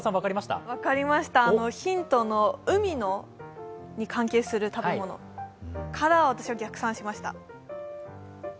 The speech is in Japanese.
分かりました、ヒントの海に関係する食べ物から私は逆算しました。